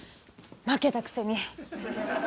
負けたくせに。